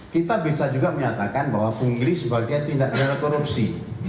kita bisa juga menyatakan bahwa pungli sebagai tindak berkorupsi